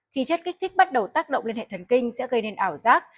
khi chất kích thích bắt đầu tác động lên hệ thần kinh sẽ gây nên ảo giác